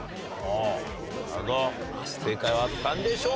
なるほど正解はあったんでしょうか。